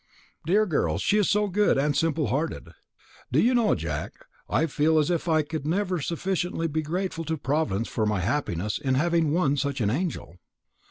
"Dear girl, she is so good and simple hearted. Do you know, Jack, I feel as if I could never be sufficiently grateful to Providence for my happiness in having won such an angel."